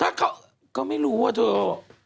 ถ้าเขาก็ไม่รู้อะเถอะ